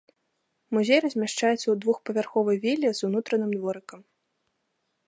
Музей размяшчаецца ў двухпавярховай віле з унутраным дворыкам.